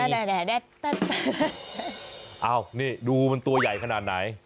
ตะได้แต๊อ๋อนี่ดูมันตัวยใหญ่ขนาดไหน